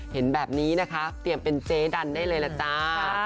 เห็นแบบนี้นะคะเตรียมเป็นเจ๊ดันได้เลยล่ะจ้า